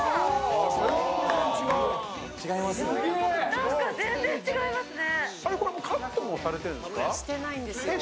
なんか全然違いますね。